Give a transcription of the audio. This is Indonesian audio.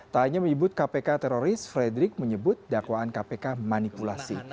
tak hanya menyebut kpk teroris frederick menyebut dakwaan kpk manipulasi